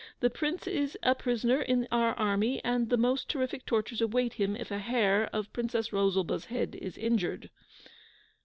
The Prince is a prisoner in our army, and the most terrific tortures await him if a hair of the Princess Rosalba's head is injured.